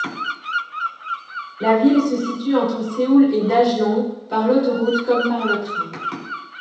La ville se situe entre Séoul et Daejeon par l'autoroute comme par le train.